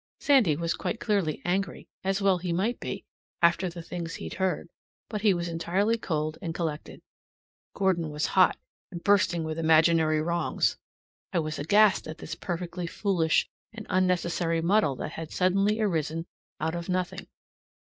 Sandy was quite clearly angry, as well he might be, after the things he'd heard, but he was entirely cold and collected. Gordon was hot, and bursting with imaginary wrongs. I was aghast at this perfectly foolish and unnecessary muddle that had suddenly arisen out of nothing.